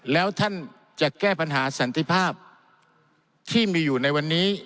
แล้วท่านจะแก้ปัญหาสันติภาพที่มีอยู่ในวันนี้